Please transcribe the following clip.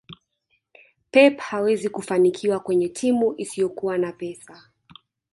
pep hawezi kufanikiwa kwenye timu isiyokuwa na pesa